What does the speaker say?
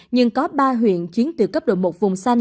nhưng có ba huyện chiến từ cấp độ một vùng xanh